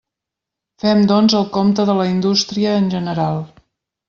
Fem, doncs, el compte de la indústria en general.